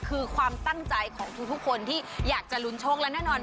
คือความตั้งใจของทุกคนที่อยากจะลุ้นโชคและแน่นอน